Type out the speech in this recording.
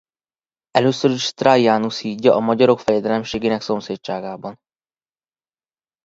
Először is Traianus hídja a magyarok fejedelemségének szomszédságában.